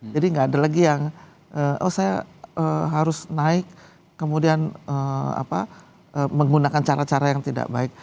jadi gak ada lagi yang oh saya harus naik kemudian apa menggunakan cara cara yang tidak baik